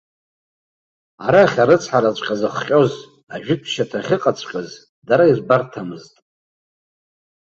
Арахь арыцҳараҵәҟьа зыхҟьоз, ажәытә шьаҭа ахьыҵаҵәҟьаз дара ирбарҭамызт.